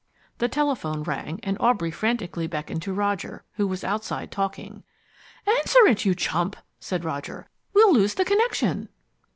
The telephone rang, and Aubrey frantically beckoned to Roger, who was outside, talking. "Answer it, you chump!" said Roger. "We'll lose the connection!"